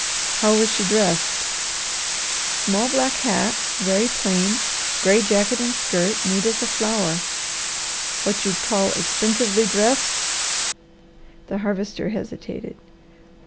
"How was she dressed?" "Small black hat, very plain. Gray jacket and skirt, neat as a flower." "What you'd call expensively dressed?" The Harvester hesitated.